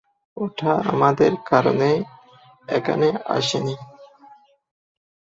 ওটা আমাদের কারণে এখানে আসেনি।